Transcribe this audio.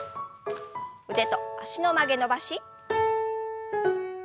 腕と脚の曲げ伸ばし。